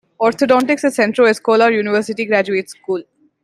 Orthodontics at Centro Escolar University Graduate School.